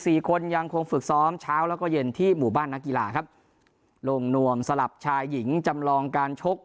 คนยังคงฝึกซ้อมเช้าแล้วก็เย็นที่หมู่บ้านนักกีฬาครับลงนวมสลับชายหญิงจำลองการชก